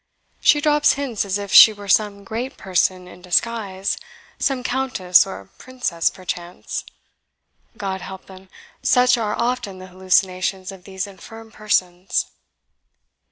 She drops hints as if she were some great person in disguise some Countess or Princess perchance. God help them, such are often the hallucinations of these infirm persons!"